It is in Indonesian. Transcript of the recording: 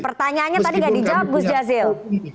pertanyaannya tadi nggak dijawab gus jazil